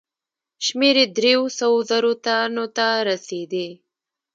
شمېر یې دریو سوو زرو تنو ته رسېدی.